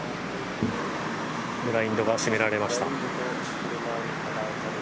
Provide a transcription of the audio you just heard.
ブラインドが閉められました。